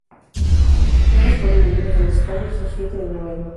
Ambos fueron miembros de la Hispanic Society de Nueva York.